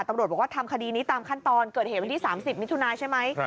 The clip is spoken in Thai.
ตำรวจบอกว่าทำคดีนี้ตามขั้นตอนเกิดเหตุวันที่๓๐มิถุนาใช่ไหม